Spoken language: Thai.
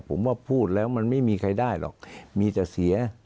ผมว่าพูดแล้วมันไม่มีใครได้หรอกมีแต่เสีย